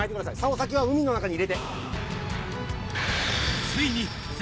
竿先は海の中に入れて。